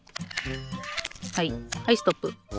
はいはいストップ。